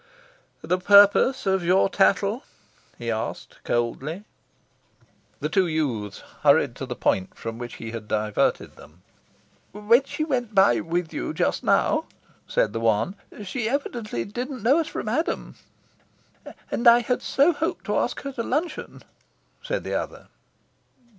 "The purpose of your tattle?" he asked coldly. The two youths hurried to the point from which he had diverted them. "When she went by with you just now," said the one, "she evidently didn't know us from Adam." "And I had so hoped to ask her to luncheon," said the other.